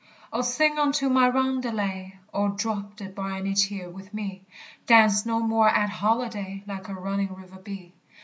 O sing unto my roundelay! O, drop the briny tear with me! Dance no more at holiday; Like a running river be.